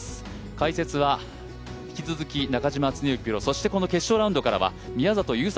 解説は引き続き中嶋常幸プロ、そしてこの決勝ラウンドからは宮里優作